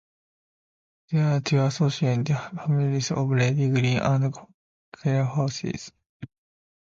There are two associated hamlets of Lady Green and Carr Houses.